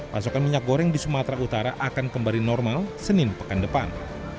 pasokan minyak goreng di sumatera utara akan kembali normal senin pekan depan